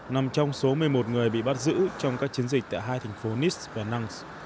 nằm trong số một mươi một người bị bắt giữ trong các chiến dịch tại hai thành phố niss và nauns